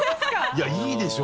いやいいでしょ。